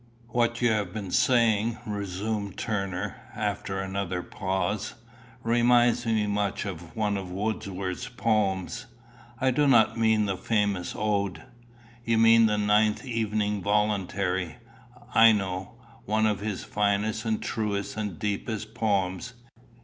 "What you have been saying," resumed Turner, after another pause, "reminds me much of one of Wordsworth's poems. I do not mean the famous ode." "You mean the 'Ninth Evening Voluntary,' I know one of his finest and truest and deepest poems.